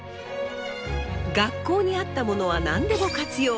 学校にあったものは何でも活用。